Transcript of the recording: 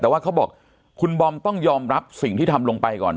แต่ว่าเขาบอกคุณบอมต้องยอมรับสิ่งที่ทำลงไปก่อน